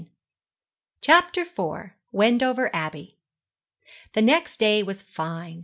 CHAPTER IV. WENDOVER ABBEY. The next day was fine.